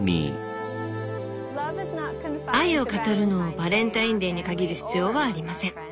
「愛を語るのをバレンタインデーに限る必要はありません。